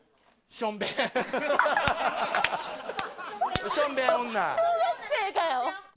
小学生かよ。